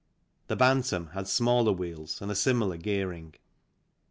The " Bantam " had smaller wheels and a similar gearing.